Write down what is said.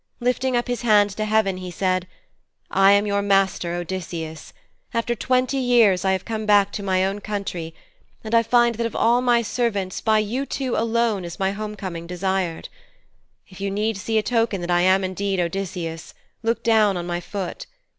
Lifting up his hand to heaven he said, 'I am your master, Odysseus. After twenty years I have come back to my own country, and I find that of all my servants, by you two alone is my homecoming desired. If you need see a token that I am indeed Odysseus, look down on my foot.